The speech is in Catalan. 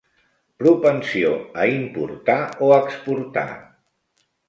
Propensió a importar o exportar.